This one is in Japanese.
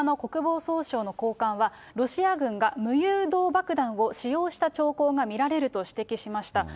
アメリカの国防総省の高官は、ロシア軍が無誘導爆弾を使用した兆候が見られると指摘しました。